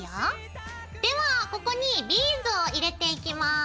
ではここにビーズを入れていきます。